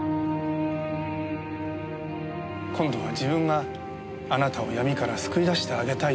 今度は自分があなたを闇から救い出してあげたいと思って。